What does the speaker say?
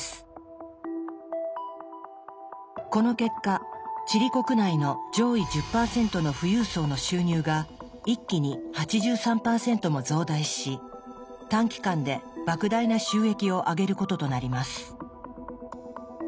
この結果チリ国内の上位１０％の富裕層の収入が一気に８３％も増大し短期間でばく大な収益を上げることとなります。